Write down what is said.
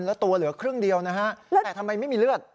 แล้วตัวเหลือครึ่งเดียวนะฮะแต่ทำไมไม่มีเลือด